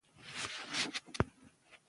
هغه په قوم خوګیاڼی وو.